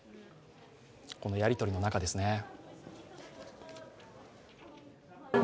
このやり取りの中ですね。